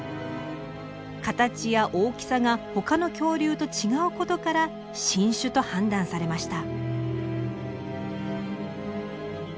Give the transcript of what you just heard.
形や大きさがほかの恐竜と違うことから新種と判断されました。